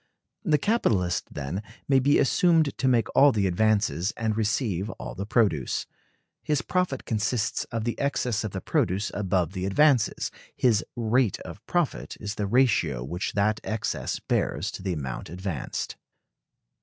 The capitalist, then, may be assumed to make all the advances and receive all the produce. His profit consists of the excess of the produce above the advances; his rate of profit is the ratio which that excess bears to the amount advanced.